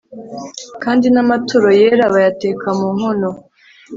Kandi n amaturo yera bayateka mu nkono